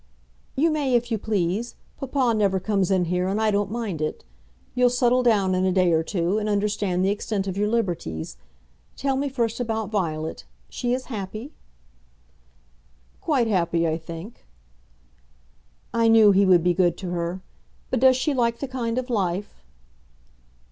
"You may if you please. Papa never comes in here, and I don't mind it. You'll settle down in a day or two, and understand the extent of your liberties. Tell me first about Violet. She is happy?" "Quite happy, I think." "I knew he would be good to her. But does she like the kind of life?"